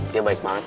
dia baik banget